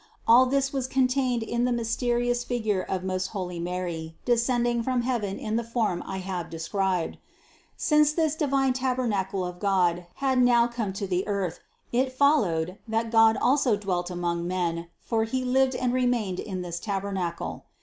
All this was contained in the mysterious figure of most holy Mary descending from heaven in the form I have described. Since this divine tabernacle of God had now come to the earth, it followed, that God also dwelt among men for He lived and remained in this tabernacle.